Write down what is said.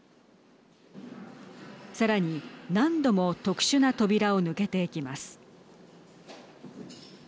さらに何度も特殊な扉を抜けていきます。